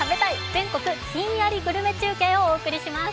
全国ひんやりグルメ中継」をお送りします。